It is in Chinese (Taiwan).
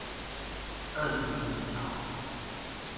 二層行橋